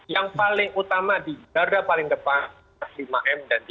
yang paling utama di garda paling depan lima m dan tiga